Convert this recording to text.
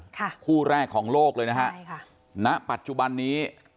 คู่แรกของโลกเลยนะฮะใช่ค่ะณปัจจุบันนี้